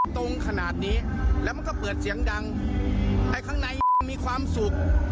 ตรงขนาดนี้แล้วมันก็เปิดเสียงดังไอ้ข้างในยังมีความสุข